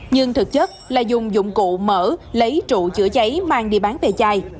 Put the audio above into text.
nhưng thực chất là dùng dụng cụ mở lấy trụ chữa cháy mang đi bán về chai